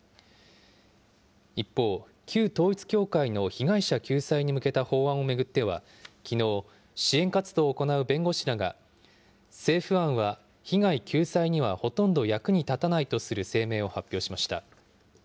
一方、旧統一教会の被害者救済に向けた法案を巡っては、きのう、支援活動を行う弁護士らが、政府案は被害救済にはほとんど役に立たないとする声明を発表しました。